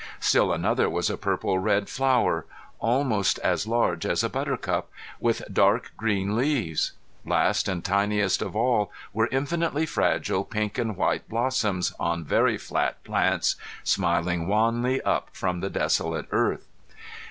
Still another was a purple red flower, almost as large as a buttercup, with dark green leaves. Last and tiniest of all were infinitely fragile pink and white blossoms, on very flat plants, smiling wanly up from the desolate earth.